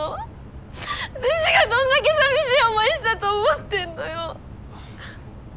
私がどんだけ寂しい思いしたと思ってんのよ！